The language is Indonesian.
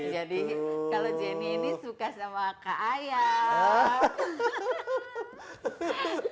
jadi kalau jenny ini suka sama kakak ayam